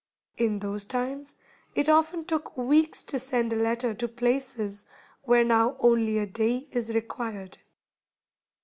In those times it often took weeks to send a letter to places where now only a day is required.